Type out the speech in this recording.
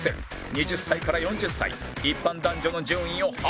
２０歳から４０歳一般男女の順位を発表